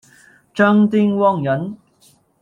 郑丁旺人。